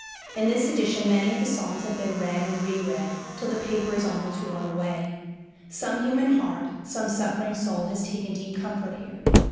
In this edition many of the Psalms have been read and re read, till the paper is almost worn away. Some human heart, some suffering soul, has taken deep comfort here.